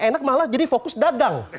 enak malah jadi fokus dagang